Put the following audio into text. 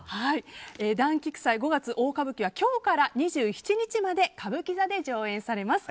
「團菊祭五月大歌舞伎」は今日から２７日まで歌舞伎座で上演されます。